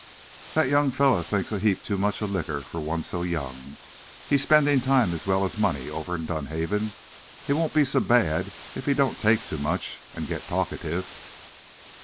"That young feller thinks a heap too much o' liquor for one so young. He's spendin' time, as well as money, over in Dunhaven. It won't be so bad if he don't take too much, and get talkative."